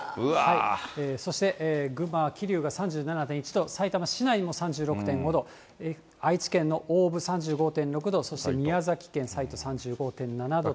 そして、群馬は桐生が３７．１度、さいたま市内も３６．５度、愛知県の大府３５．６度、そして宮崎県西都３５．７と。